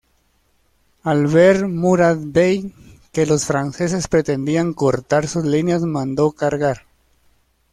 Al ver Murad Bey que los franceses pretendían cortar sus líneas mandó cargar.